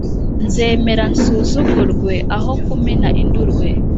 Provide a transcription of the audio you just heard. Nzemera nsunzugurwe aho kumena indurwe.